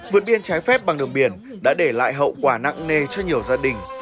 vượt biên trái phép bằng đường biển đã để lại hậu quả nặng nề cho nhiều gia đình